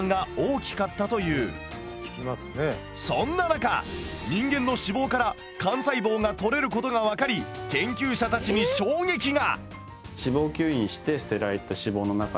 そんな中人間の脂肪から幹細胞がとれることが分かり研究者たちに衝撃が！